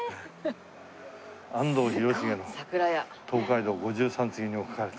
「安藤広重の『東海道五拾三次』にも描かれた」